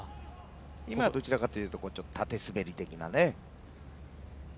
今はどちらかというと縦滑り的なね。